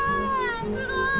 すごい！